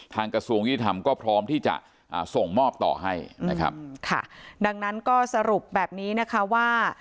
กระทรวงยุติธรรมก็พร้อมที่จะส่งมอบต่อให้นะครับค่ะดังนั้นก็สรุปแบบนี้นะคะว่า